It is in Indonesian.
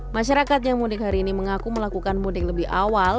masyarakat yang mudik hari ini mengaku melakukan mudik lebih awal